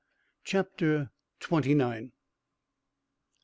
CHAPTER TWENTY NINE.